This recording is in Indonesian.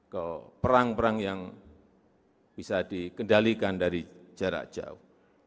ke perang perang yang bisa dikendalikan dari jarak jauh